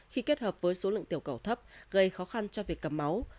khi kết hợp với số lượng tiểu cầu thấp gây khó khăn cho việc cầm máu